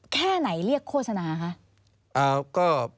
แค่ไหนเรียกโฆษณาคะ